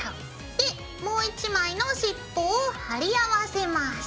でもう１枚のしっぽを貼り合わせます。